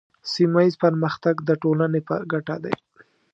سیمه ایز پرمختګ د ټولنې په ګټه دی.